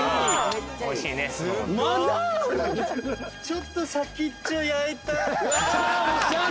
ちょっと先っちょ焼いたうわー